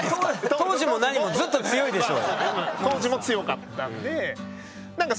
当時もなにもずっと強いでしょ。